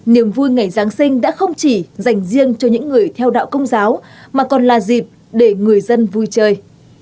niềm vui ngày giáng sinh đã không chỉ dành riêng cho những người theo đạo công giáo mà còn là dịp để người dân vui chơi